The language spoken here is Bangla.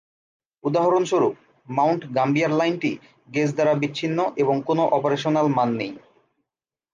উদাহরণস্বরূপ, মাউন্ট গাম্বিয়ার লাইনটি গেজ দ্বারা বিচ্ছিন্ন এবং কোনও অপারেশনাল মান নেই।